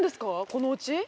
このおうち？